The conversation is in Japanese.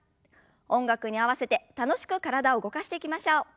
音楽に合わせて楽しく体を動かしていきましょう。